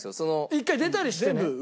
１回出たりしてね。